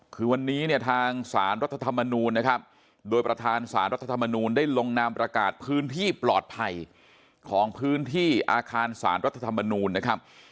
คือวันนี้เนี่ยทางสารรัฐธรรมนูลนะครับโดยประธานสารรัฐธรรมนูลได้ลงนามประกาศพื้นที่ปลอดภัยของพื้นที่อาคารสารรัฐธรรมนูลนะครับ